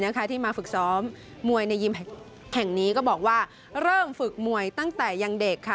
ที่มาฝึกซ้อมมวยในยิมแห่งนี้ก็บอกว่าเริ่มฝึกมวยตั้งแต่ยังเด็กค่ะ